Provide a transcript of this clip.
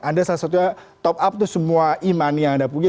anda salah satunya top up tuh semua e money yang anda punya